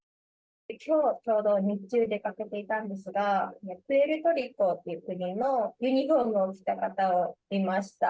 きょうちょうど日中出かけていたんですが、プエルトリコっていう国のユニホームを着た方を見ました。